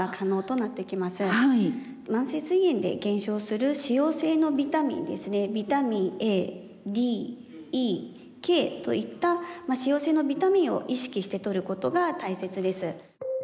慢性すい炎で減少する脂溶性のビタミンですねビタミンＡＤＥＫといった脂溶性のビタミンを意識してとることが大切です。